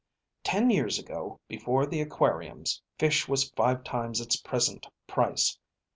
Ten years ago, before the aquariums, fish was five times its present price.